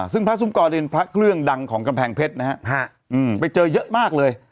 ซึ่งพระสุมกรเป็นพระเครื่องดังของกำแพงเพชรนะฮะไปเจอเยอะมากเลย